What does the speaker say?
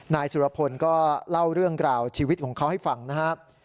นายสุรพลก็เล่าเรื่องราวชีวิตของเขาให้ฟังนะครับ